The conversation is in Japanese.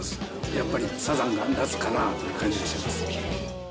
やっぱりサザンが夏かなという感じがします。